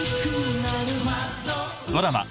ドラマ